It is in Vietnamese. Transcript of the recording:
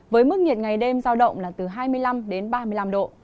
với mức nhiệt ngày đêm giao động là từ hai mươi năm đến ba mươi năm độ